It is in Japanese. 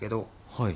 はい。